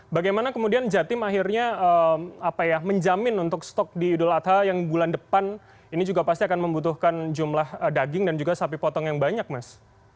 bagaimana kemudian jatim akhirnya menjamin untuk stok di idul adha yang bulan depan ini juga pasti akan membutuhkan jumlah daging dan juga sapi potong yang banyak mas